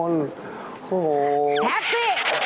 แท็กซี่